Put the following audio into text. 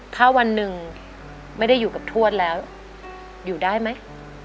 ถ้าวันหนึ่งไม่ได้อยู่กับทวดแล้วอยู่ได้ไหม